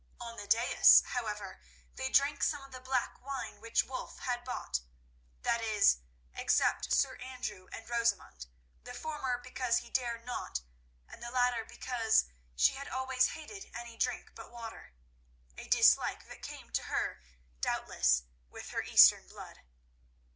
On the dais however, they drank some of the black wine which Wulf had bought—that is, except Sir Andrew and Rosamund, the former because he dared not, and the latter because she had always hated any drink but water—a dislike that came to her, doubtless, with her Eastern blood.